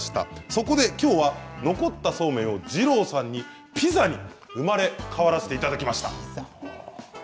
そこできょうは残ったそうめんを二郎さんにピザに生まれ変わらせていただきました。